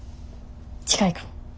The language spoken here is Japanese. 近いかも。